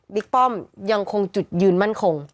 ป้อมยังคงจุดยืนมั่นคง